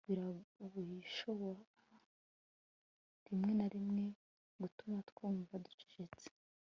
birashobora rimwe na rimwe gutuma twumva ducecetse